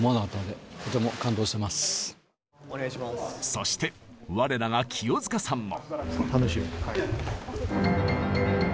そして我らが清塚さんも。